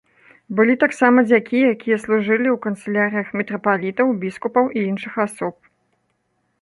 Былі таксама дзякі якія служылі ў канцылярыях мітрапалітаў, біскуп і іншых асоб.